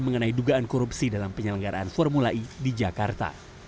mengenai dugaan korupsi dalam penyelenggaraan formula e di jakarta